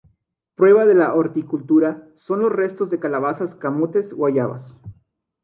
Prueba de la horticultura son los restos de calabazas, camotes, guayabas.